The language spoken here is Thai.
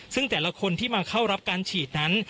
ซึ่งแต่ละคนที่มาเข้ารับการฉีดนั้น